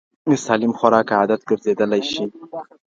سالم خوراک عادت ګرځېدلی شي.